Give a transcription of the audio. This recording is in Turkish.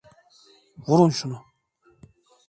Vurun şunu!